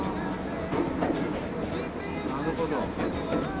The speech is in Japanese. なるほど。